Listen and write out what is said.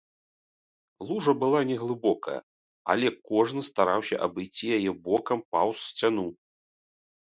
Лужа была не глыбокая, але кожны стараўся абысці яе бокам, паўз сцяну.